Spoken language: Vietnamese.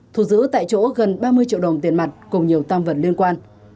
thu giữ tại chỗ gần ba mươi triệu đồng tiền mặt cùng nhiều tam vật liên quan